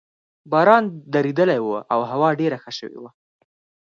باران درېدلی وو او هوا ډېره ښه شوې وه.